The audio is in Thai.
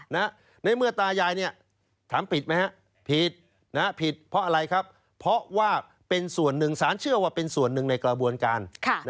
ในเมื่อตายายถามผิดไหมฮะผิดผิดเพราะอะไรครับเพราะว่าเป็นส่วนหนึ่งสารเชื่อว่าเป็นส่วนหนึ่งในกระบวนการ